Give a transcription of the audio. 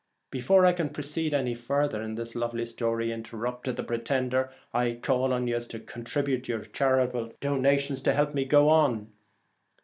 4 Before I can proceed any further in this lovely story,' interrupted the pretender, ' I call on yez to contribute your charitable donations to help me to go on.'